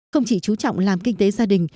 không chỉ chú trọng làm kinh tế gia đình